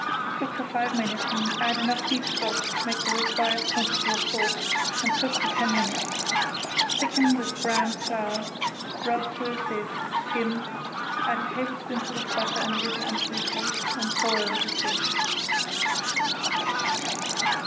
Cook for five minutes, add enough beef stock to make the required quantity of sauce, and cook for ten minutes. Thicken with browned flour, rub through a sieve, skim, add a tablespoonful of butter and a little anchovy paste, and pour over the fish.